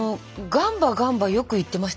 「ガンバガンバ」よく言ってた。